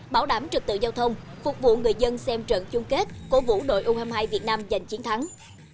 bảo đảm trực tự giao thông phục vụ người dân xem trận chung kết cố vũ đội u hai mươi hai việt nam giành chiến thắng